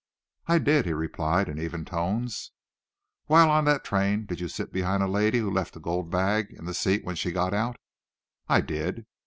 "I did," he replied, in even tones. "While on the train did you sit behind a lady who left a gold bag in the seat when she got out?" "I did."